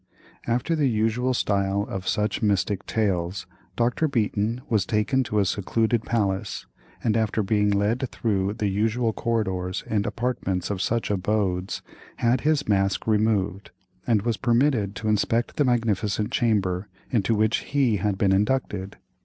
After the usual style of such mystic tales, Dr. Beaton was taken to a secluded palace, and after being led through the usual corridors and apartments of such abodes, had his mask removed, and was permitted to inspect the magnificent chamber into which he had been inducted.